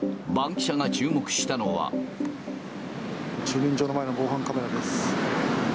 駐輪場の前の防犯カメラです。